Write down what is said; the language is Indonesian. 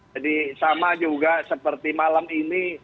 jadi sama juga seperti malam ini